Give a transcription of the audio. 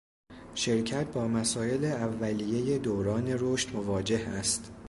شرکت با مسایل اولیه دوران رشد مواجه است.